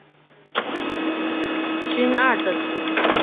勋二等。